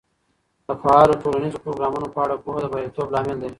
د فعالو ټولنیزو پروګرامونو په اړه پوهه د بریالیتوب لامل دی.